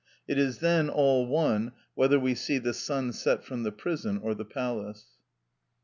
It is then all one whether we see the sun set from the prison or from the palace.